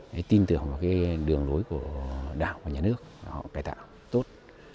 để tin tưởng vào cái đường lối của đảng và nhà nước họ cải tạo tốt